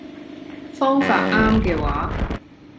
方法啱嘅話